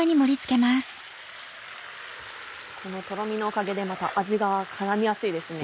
このとろみのおかげでまた味が絡みやすいですね。